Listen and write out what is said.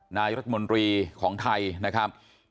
นายรัฐมนตรีของไทยนะครับ